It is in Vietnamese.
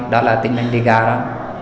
đó là tin lãnh địa gà đó